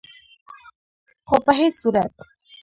خو په هيڅ صورت